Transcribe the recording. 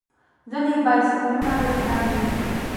ځینې بایسکلونه ډېر ګران وي.